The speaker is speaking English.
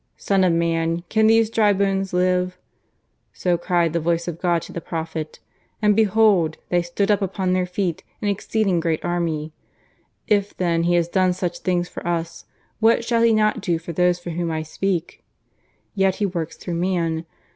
'Son of man, can these dry bones live?' So cried the voice of God to the prophet. And behold! they stood up upon their feet, an exceeding great army. If then He has done such things for us, what shall He not do for those for whom I speak? Yet He works through man.